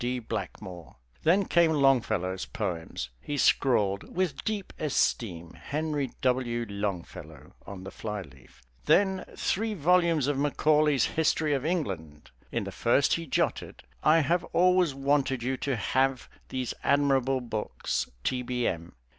D. Blackmore." Then came Longfellow's poems. He scrawled "With deep esteem, Henry W. Longfellow" on the flyleaf. Then three volumes of Macaulay's "History of England." In the first he jotted "I have always wanted you to have these admirable books, T. B. M."